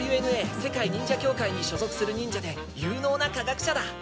ＷＮＡ世界忍者協会に所属する忍者で有能な科学者だ。